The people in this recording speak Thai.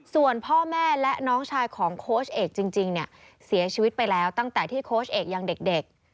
ส่วนพ่อแม่และน้องชายของโค้ชเอกจริงเนี่ยเสียชีวิตไปแล้วตั้งแต่ที่โค้ชเอกยังเด็ก